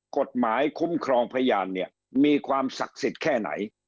กฎหมายคุ้มครองพยานเนี่ยมีความศักดิ์สิทธิ์แค่ไหน